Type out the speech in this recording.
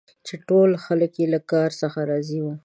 چي ټول خلک یې له کار څخه راضي وه.